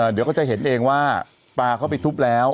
เดี๋ยวก็จะเห็นเองว่าปลาเข้าไปทุบแล้ว